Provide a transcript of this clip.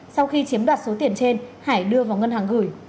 sau khi chiếm đoạt số tiền trên hải đưa vào ngân hàng gửi